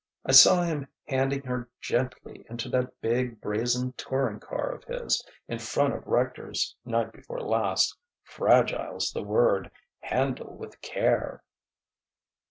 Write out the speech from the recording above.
I saw him handing her gently into that big, brazen touring car of his, in front of Rector's, night before last. Fragile's the word 'handle with care!'"